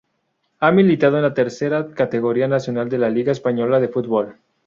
Ha militado en la Tercera categoría nacional de la liga española de fútbol.